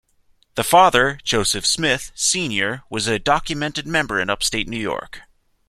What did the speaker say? The father, Joseph Smith, Senior was a documented member in upstate New York.